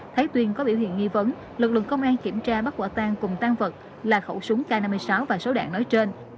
thấy tuyên có biểu hiện nghi vấn lực lượng công an kiểm tra bắt quả tan cùng tan vật là khẩu súng k năm mươi sáu và số đạn nói trên